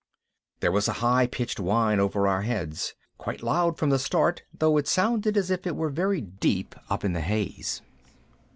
There was a high pitched whine over our heads! Quite loud from the start, though it sounded as if it were very deep up in the haze.